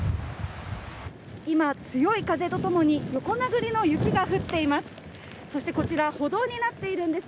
今、強い風と共に横殴りの雪が降っています。